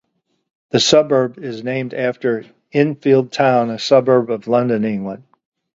The suburb is named after Enfield Town, a suburb of London, England.